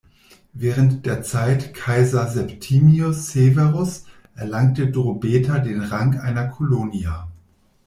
Während der Zeit Kaiser Septimius Severus erlangte Drobeta den Rang einer "Colonia".